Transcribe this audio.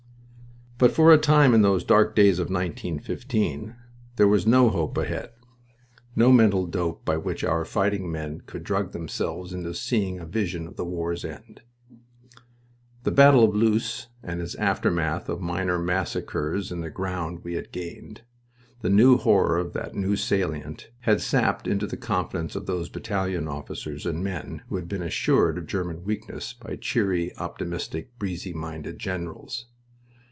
But for a time in those dark days of 1915 there was no hope ahead. No mental dope by which our fighting men could drug themselves into seeing a vision of the war's end. The battle of Loos and its aftermath of minor massacres in the ground we had gained the new horror of that new salient had sapped into the confidence of those battalion officers and men who had been assured of German weakness by cheery, optimistic, breezy minded generals.